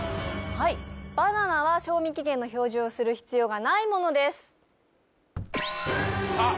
はいバナナは賞味期限の表示をする必要がないものですさあ